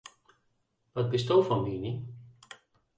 Wat bisto fan miening?